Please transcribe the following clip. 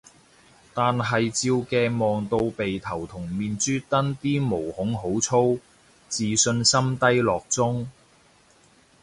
但係照鏡望到鼻頭同面珠墩啲毛孔好粗，自信心低落中